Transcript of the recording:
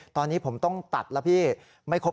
ตอนนี้ผมต้องตัดแล้ว